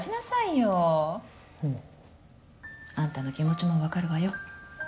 ようんあんたの気持ちも分かるわよ